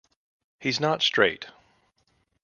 He's not straight.